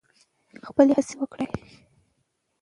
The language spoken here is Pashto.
خپلې هڅې وکړئ.